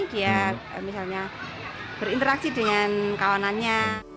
dia misalnya berinteraksi dengan kawanannya